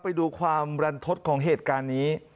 ไปดูความรันทศของเหตุการณ์นี้